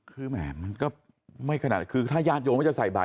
คือแหมมันก็ไม่ขนาดคือถ้าญาติโยมก็จะใส่บาท